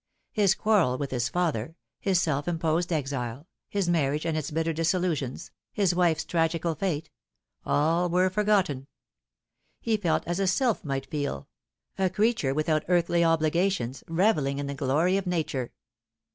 His quarrel with his father, his self imposed exile, his marriage and its bitter disillusions, his wife's tragical f:ste : all were forgotten. He felt as a sylph might feel a creature without earthly obligations, revelling in the glory of Nature.